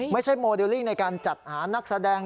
ไม่ใช่โมเดลลิ่งในการจัดหานักแสดง